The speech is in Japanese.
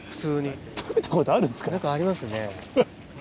何かありますね。